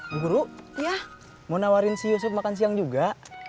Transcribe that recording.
bu guru mau nawarin si yusuf makan siang juga